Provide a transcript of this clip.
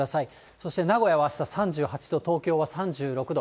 そして名古屋はあした３８度、東京は３６度。